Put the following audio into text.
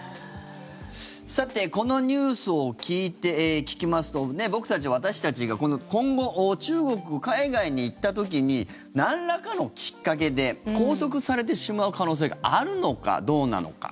さてこのニュースを聞きますと僕たち、私たちが今後中国、海外に行った時になんらかのきっかけで拘束されてしまう可能性があるのかどうなのか。